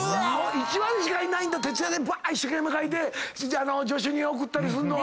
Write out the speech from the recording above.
１割しかいないんだ徹夜でぶわ一生懸命描いて助手に送ったりすんのは。